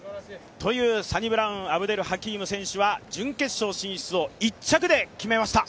サニブラウン・アブデルハキーム選手は準決勝進出を１着で決めました。